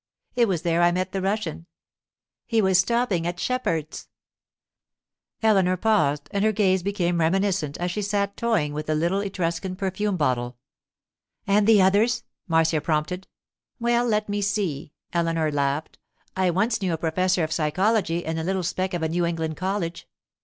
It was there I met the Russian. He was stopping at Shepheard's.' Eleanor paused, and her gaze became reminiscent as she sat toying with the little Etruscan perfume bottle. 'And the others?' Marcia prompted. 'Well, let me see,' Eleanor laughed. 'I once knew a professor of psychology in a little speck of a New England college.